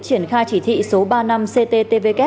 triển khai chỉ thị số ba năm cttvk